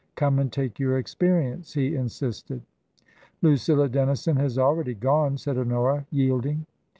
Come and take your experi ence," he insisted. " Lucilla Dennison has already gone," said Honora, yielding.